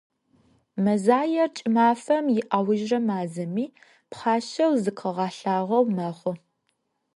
Мэзаер кӏымафэм иаужырэ мазэми, пхъашэу зыкъыгъэлъагъоу мэхъу.